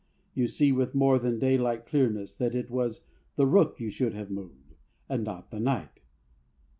You see with more than daylight clearness that it was the Rook you should have moved, and not the Knight.